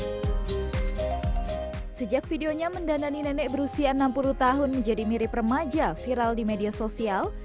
hai sejak videonya mendandani nenek berusia enam puluh tahun menjadi mirip remaja viral di media sosial